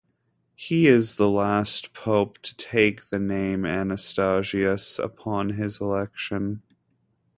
He is the last pope to take the name "Anastasius" upon his election.